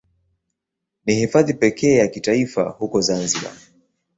Ni Hifadhi pekee ya kitaifa huko Zanzibar.